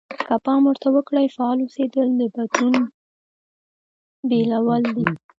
که پام ورته وکړئ فعال اوسېدل د بدلون پيلول دي.